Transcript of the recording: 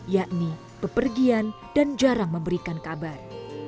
yakni bepergian dan jarang memberikan kabar